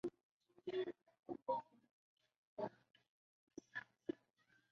很多评论家着书立说批评沃斯通克拉夫特在教育方面的观点。